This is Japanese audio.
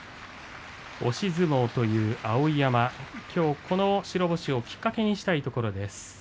押し相撲の碧山、この白星をきっかけにしたいところです。